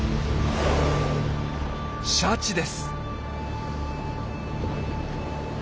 シャチです！